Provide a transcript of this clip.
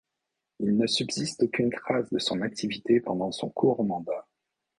Il ne subsiste aucune trace de son activité pendant son court mandat.